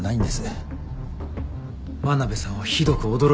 真鍋さんはひどく驚いてました。